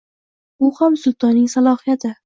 U ham sultonning salohiyati.